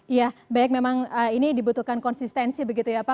iya baik memang ini dibutuhkan konsistensi begitu ya pak